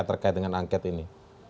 terkait dengan anket ini